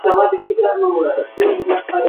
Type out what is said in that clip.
په کوڅه کې د لویې نجلۍ تګ راتګ شرم بلل کېږي.